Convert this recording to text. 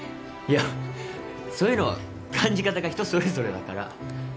いやそういうのは感じ方が人それぞれだから。